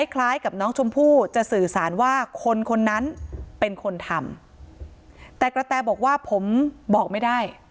คล้ายกับน้องชมพู่จะสื่อสารว่าคนคนนั้นเป็นคนทำแต่กระแตบอกว่าผมบอกไม่ได้